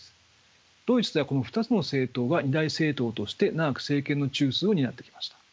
ドイツではこの２つの政党が二大政党として長く政権の中枢を担ってきました。